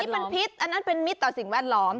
เป็นพิษอันนั้นเป็นมิตรต่อสิ่งแวดล้อม